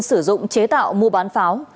sử dụng chế tạo mua bán pháo